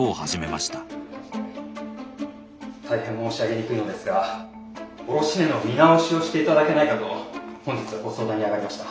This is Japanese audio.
大変申し上げにくいのですが卸値の見直しをしていただけないかと本日はご相談にあがりました。